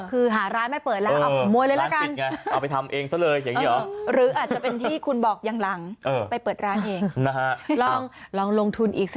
คือหาร้านไม่เปิดแล้วเอาผมมวยเลยละกัน